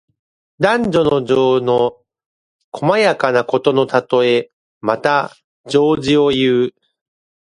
男女の情の細やかなことのたとえ。また、情事をいう。